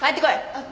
あっ。